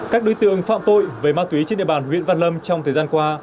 các đối tượng phạm tội về ma túy trên địa bàn huyện văn lâm trong thời gian qua